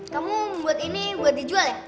kamu membuat ini buat dijual ya